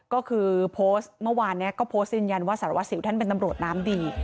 ก็คือโพสต์เมื่อวานนี้ก็โพสต์ยืนยันว่าสารวัสสิวท่านเป็นตำรวจน้ำดี